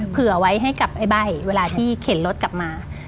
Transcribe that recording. เผื่อไว้ให้กับไอ้ใบ้เวลาที่เข็นรถกลับมา